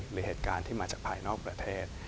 หรือเหตุการณ์ที่มาจากภายนอกประเทศ